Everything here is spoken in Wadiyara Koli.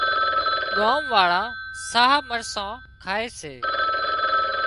ڳام واۯان ساهََه مرسان کائي سي